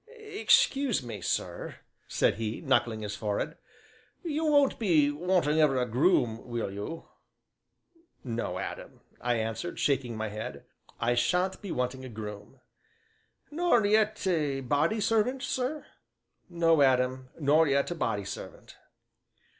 "Excuse me, sir," said he, knuckling his forehead, "you won't be wanting ever a groom, will you?" "No, Adam," I answered, shaking my head, "I sha'n't be wanting a groom." "Nor yet a body servant, sir?" "No, Adam, nor yet a body servant."